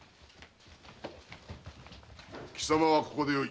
貴様はここでよい。